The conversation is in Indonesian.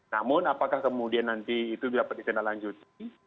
namun apakah kemudian nanti itu dapat ditindaklanjuti